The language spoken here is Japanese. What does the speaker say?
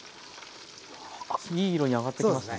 あっいい色に揚がってきましたね。